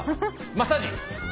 マッサージ！